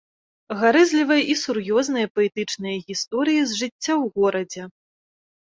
Гарэзлівыя і сур'ёзныя паэтычныя гісторыі з жыцця ў горадзе.